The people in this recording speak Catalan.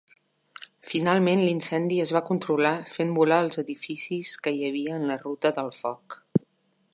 Finalment, l'incendi es va controlar fent volar els edificis que hi havia en la ruta del foc.